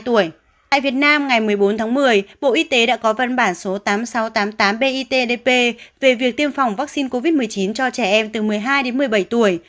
tại việt nam ngày một mươi bốn tháng một mươi bộ y tế đã có văn bản số tám nghìn sáu trăm tám mươi tám bitdp về việc tiêm phòng vaccine covid một mươi chín cho trẻ em từ một mươi hai đến một mươi bảy tuổi